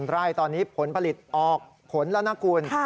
๑๓๐๐๐ไร่ตอนนี้ผลผลิตออกผลละนักกูล